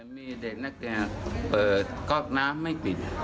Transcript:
มีเด็กนักเรียนเปิดก๊อกน้ำไม่ปิด